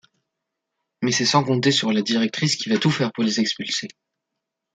Mais c'est sans compter sur la directrice qui va tout faire pour les expulser.